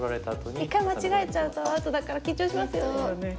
一回間違えちゃうとアウトだから緊張しますよね。